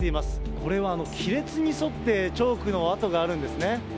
これは亀裂に沿ってチョークの跡があるんですね。